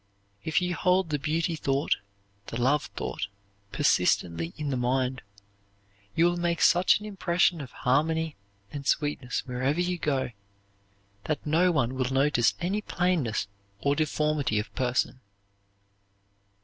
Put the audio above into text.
If you hold the beauty thought, the love thought, persistently in the mind, you will make such an impression of harmony and sweetness wherever you go that no one will notice any plainness or deformity of person.